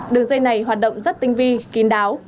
đường dây này hoạt động rất tinh vi kín đáo